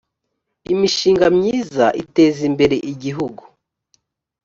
imishinga myiza itezimbere igihugu.